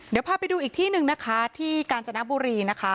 เดี๋ยวพาไปดูอีกที่หนึ่งนะคะที่กาญจนบุรีนะคะ